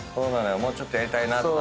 もうちょっとやりたいなとかね